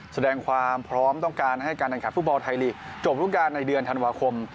แสดงความพร้อมต้องการให้การแข่งขันฟุตบอลไทยลีกจบรูปการณ์ในเดือนธันวาคม